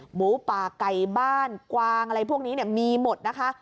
หมูป่าไก่บ้านกวางอะไรพวกนี้มีหมดนะคะ